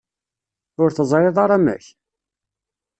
Ur teẓriḍ ara amek?